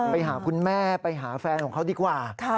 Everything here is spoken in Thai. ไปหาคุณแม่ไปหาแฟนของเขาดีกว่า